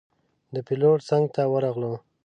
د پېلوټ څنګ ته ورغلو.